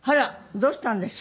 どうしたんでしょう。